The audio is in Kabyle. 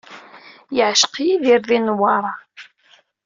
Yeɛceq Yidir di Newwara.